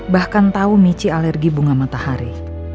bahkan tahu mici alergi bunga matahari